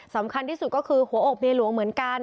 สำคัญที่สุดก็คือหัวอกเมียหลวงเหมือนกัน